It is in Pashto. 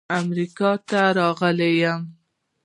امریکا ته راغلی یم.